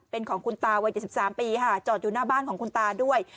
เป็นของคุณตาวัย๗๓ปีค่ะจอดอยู่หน้าบ้านของคุณตาด้วย